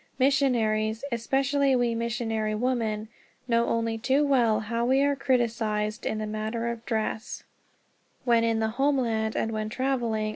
Missionaries, especially we missionary women, know only too well how we are criticized in the matter of dress, when in the homeland and when traveling.